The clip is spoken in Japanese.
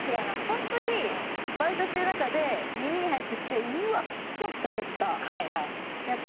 本当にバイトしてる中で耳に入ってきてうわっきしょっ！って思ったやつ。